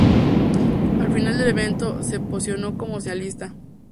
Al final del evento se posicionó como segunda finalista.